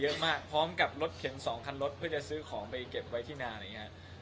เยอะมากพร้อมกับรถเข็น๒คันรถเพื่อจะซื้อของไปเก็บไว้ที่นาน